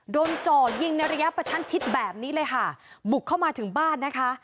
จ่อยิงในระยะประชันชิดแบบนี้เลยค่ะบุกเข้ามาถึงบ้านนะคะ